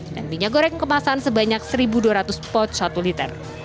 dan minyak goreng kemasan sebanyak satu dua ratus pot satu liter